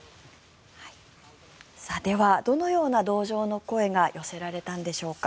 では、どのような同情の声が寄せられたんでしょうか。